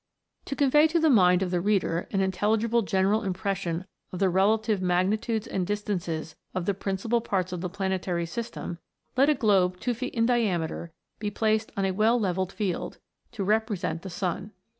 To convey to the mind of the reader an intelli gible general impression of the relative magnitudes and distances of the principal parts of the planetary system, let a globe two feet in diameter be placed on a well levelled field, to represent the /Sun.